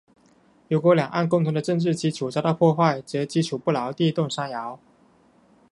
如果两岸共同的政治基础遭到破坏，则基础不牢，地动山摇。